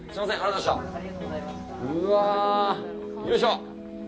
うわ、よいしょっ。